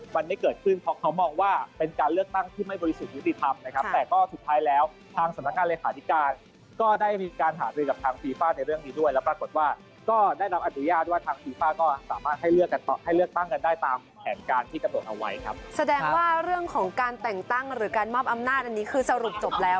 แสดงว่าเรื่องของการแต่งตั้งหรือการมอบอำนาจคือสรุปจบแล้ว